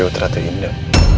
gue teratuhin mak